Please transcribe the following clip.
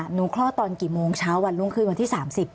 คลอดตอนกี่โมงเช้าวันรุ่งขึ้นวันที่๓๐